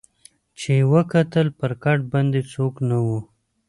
چي یې وکتل پر کټ باندي څوک نه وو